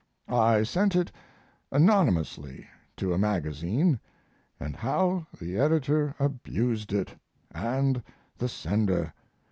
I sent it anonymously to a magazine, and how the editor abused it and the sender!